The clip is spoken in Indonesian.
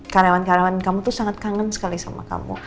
karyawan karyawan kamu tuh sangat kangen sekali sama kamu